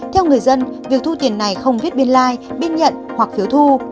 theo người dân việc thu tiền này không viết biên lai biên nhận hoặc phiếu thu